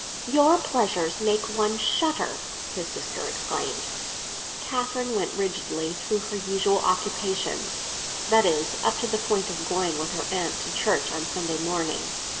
"Your pleasures make one shudder!" his sister exclaimed. Catherine went rigidly through her usual occupations; that is, up to the point of going with her aunt to church on Sunday morning.